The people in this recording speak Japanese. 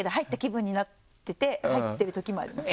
入ってるときもあります。